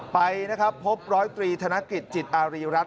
ไปพบ๑๐๓ธนกิจจิตอารีรัฐ